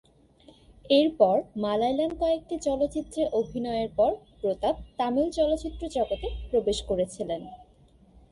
এরপর মালয়ালম কয়েকটি চলচ্চিত্রে অভিনয়ের পর প্রতাপ তামিল চলচ্চিত্র জগতে প্রবেশ করেছিলেন।